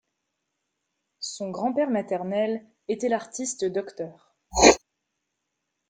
Son grand-père maternel était l'artiste Dr.